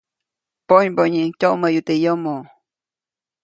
Ponybonyiʼuŋ tyoʼmäyu teʼ yomo.